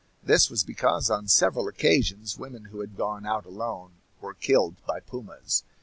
This was because on several occasions women who had gone out alone were killed by pumas.